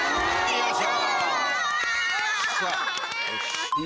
よっしゃ。